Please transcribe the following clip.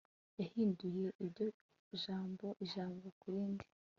Yahinduye iryo jambo ijambo ku rindi